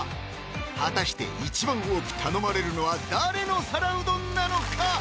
果たして一番多く頼まれるのは誰の皿うどんなのか？